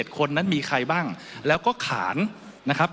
คนนั้นมีใครบ้างแล้วก็ขานนะครับ